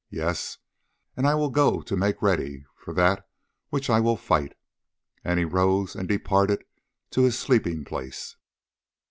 Yes, and I go to make ready that with which I will fight," and he rose and departed to his sleeping place.